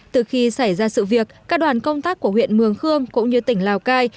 từ khi xảy ra sự việc các đoàn công tác của huyện mường khương cũng như tỉnh lào cai